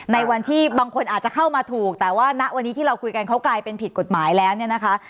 ในวันที่บางคนอาจจะเข้ามาถูกแต่ว่าณวันนี้ที่เราคุยกันเขากลายเป็นผิดกฎหมายแล้วเนี่ยนะคะ